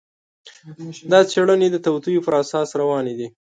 دا څېړنې د توطیو پر اساس روانې دي.